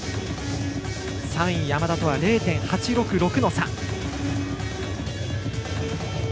３位山田とは０．８６６の差。